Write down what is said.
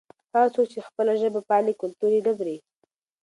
هغه څوک چې خپله ژبه پالي کلتور یې نه مري.